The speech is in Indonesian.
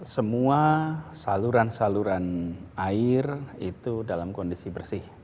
semua saluran saluran air itu dalam kondisi bersih